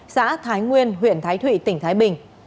xã thái nguyên huyện thái thụy tỉnh thái bình